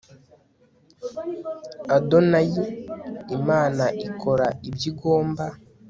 ADONAYIIMANA IKORA IBYO IGOMBA